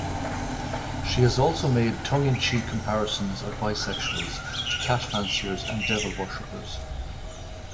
She has also made tongue-in-cheek comparisons of bisexuals to cat fanciers and devil worshippers.